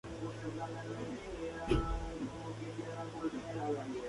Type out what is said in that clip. Se encuentra desde Panamá hasta la cuenca del río Amazonas.